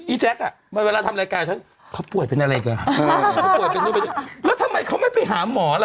อีแจ๊คอ่ะมันเวลาทำรายการฉันเขาป่วยเป็นอะไรก็อ่ะแล้วทำไมเขาไม่ไปหาหมอหรอ